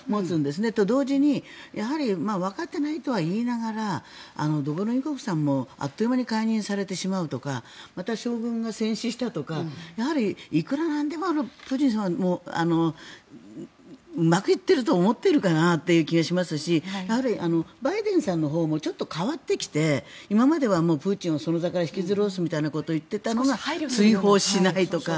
それと同時にわかってないとは言いながらもドボルニコフさんもあっという間に解任されてしまうとかまた将軍が戦死したとかやはりいくらなんでもプーチンさん、負けているとうまくいっていると思っているかなという気がしますしバイデンさんのほうもちょっと変わってきて今まではプーチンをその座から引き下ろすと言っていたのが追放しないとか